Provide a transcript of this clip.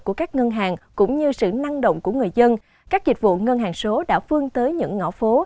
của các ngân hàng cũng như sự năng động của người dân các dịch vụ ngân hàng số đã phương tới những ngõ phố